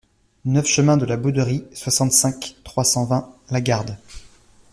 neuf chemin de la Bouderie, soixante-cinq, trois cent vingt, Lagarde